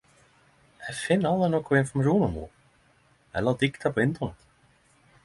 Eg finn aldri noko informasjon om ho eller dikta på internett.